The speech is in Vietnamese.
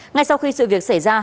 ngay sau khi sự việc xảy ra